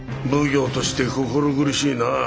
奉行として心苦しいなぁ。